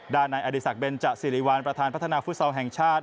ด้านในอดิษักเบนจสิริวัลประธานพัฒนาฟุตซองศ์แห่งชาติ